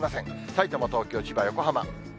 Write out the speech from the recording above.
さいたま、東京、千葉、横浜。